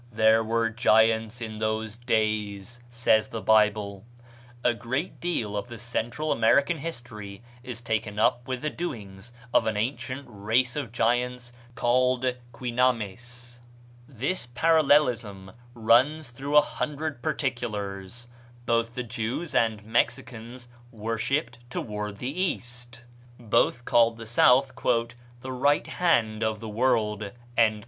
"There were giants in those days," says the Bible. A great deal of the Central American history is taken up with the doings of an ancient race of giants called Quinames. This parallelism runs through a hundred particulars: Both the Jews and Mexicans worshipped toward the east. Both called the south "the right hand of the world."